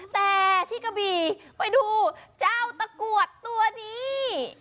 แต่ที่กะบี่ไปดูเจ้าตะกรวดตัวนี้